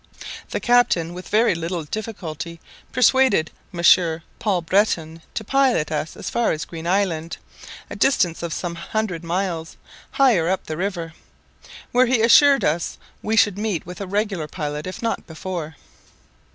The captain with very little difficulty persuaded Monsieur Paul Breton to pilot us as far as Green Island, a distance of some hundred miles higher up the river, where he assured us we should meet with a regular pilot, if not before.